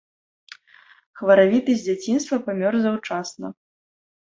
Хваравіты з дзяцінства, памёр заўчасна.